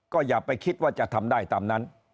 ก็อย่าไปคิดว่าจะทำได้ตามนั้น